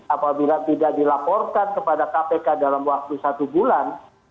apabila tidak dilaporkan kepada kpk dalam waktu satu bulan